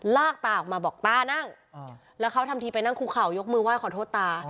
แล้วเขาทำทีไปนั่งคู่เข่ายกมือไหว้ขอโทษตา